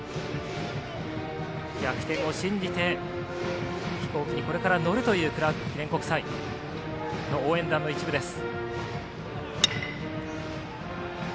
逆転を信じて飛行機にこれから乗るというクラーク記念国際の応援団の一部です。